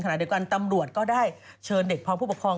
ขณะเดียวกันตำรวจก็ได้เชิญเด็กพร้อมผู้ปกครอง